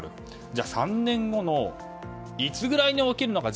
じゃあ、３年後のいつぐらいに起きるのか。